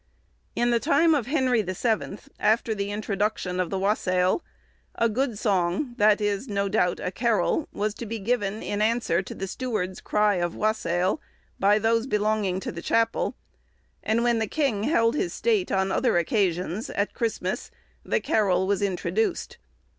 In the time of Henry the Seventh, after the introduction of the wassail, a good song, that is, no doubt, a carol, was to be given in answer to the steward's cry of wassail, by those belonging to the chapel; and when the king held his state on other occasions, at Christmas, the carol was introduced.